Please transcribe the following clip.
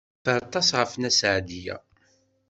Nerfa aṭas ɣef Nna Seɛdiya.